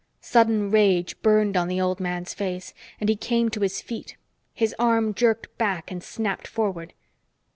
Sudden rage burned on the old man's face, and he came to his feet. His arm jerked back and snapped forward.